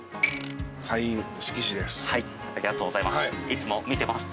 いつも見てます。